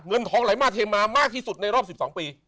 เงินทองไหลมาเทมามากที่สุดในรอบ๑๒ปี